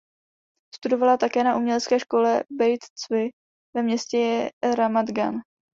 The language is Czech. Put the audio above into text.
Studovala také na umělecké škole Bejt Cvi ve městě Ramat Gan.